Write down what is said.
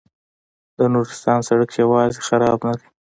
د نورستان سړک یوازې خراب نه دی.